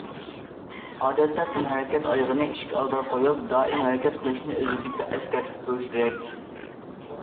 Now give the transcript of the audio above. ئادەتتە تەنھەرىكەت ئايىغىنى ئىشىك ئالدىغا قويۇپ، دائىم ھەرىكەت قىلىشنى ئۆزىگە ئەسكەرتىپ تۇرۇش كېرەك.